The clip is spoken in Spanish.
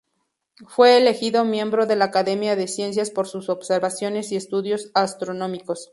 Fue elegido miembro de la Academia de Ciencias por sus observaciones y estudios astronómicos.